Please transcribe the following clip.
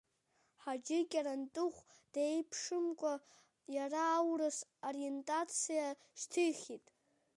Ҳаџьы Кьарантыхә диеиԥшымкәа, иара аурыс ориентациа шьҭихит.